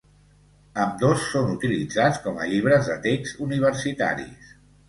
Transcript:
Ambdós són utilitzats com a llibres de text universitaris.